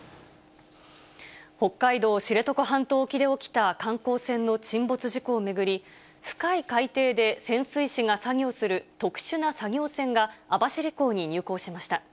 北海道知床半島沖で起きた観光船の沈没事故を巡り、深い海底で潜水士が作業する特殊な作業船が、網走港に入港しました。